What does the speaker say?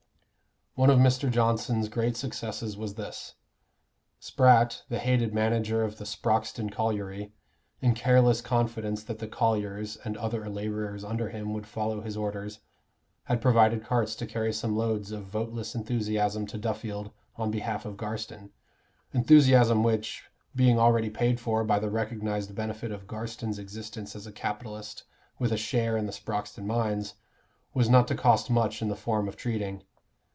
One of Mr. Johnson's great successes was this. Spratt, the hated manager of the Sproxton Colliery, in careless confidence that the colliers and other laborers under him would follow his orders, had provided carts to carry some loads of voteless enthusiasm to Duffield on behalf of Garstin; enthusiasm which, being already paid for by the recognized benefit of Garstin's existence as a capitalist with a share in the Sproxton mines, was not to cost much in the form of treating.